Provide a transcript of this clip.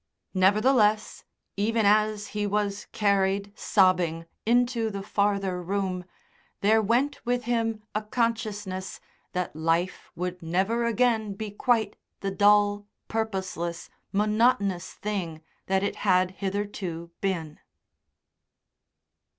Nevertheless, even as he was carried, sobbing, into the farther room, there went with him a consciousness that life would never again be quite the dull, purposeless, monotonous thing that it had hitherto been.